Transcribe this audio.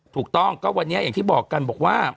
ถูกต้องก็วันนี้อย่างที่บอกกันบอกว่า